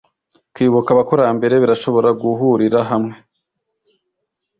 Kwibuka abakurambere birashobora guhurira hamwe